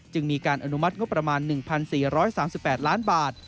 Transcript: มีการอนุมัติงบประมาณ๑๔๓๘ล้านบาท